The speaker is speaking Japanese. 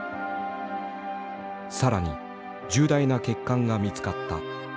更に重大な欠陥が見つかった。